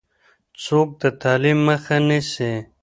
څوک د تعلیم مخه نیسي؟